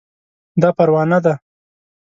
دا پروانه ده